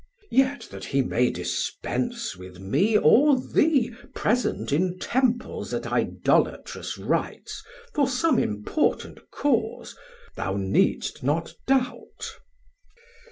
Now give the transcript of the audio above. Yet that he may dispense with me or thee Present in Temples at Idolatrous Rites For some important cause, thou needst not doubt.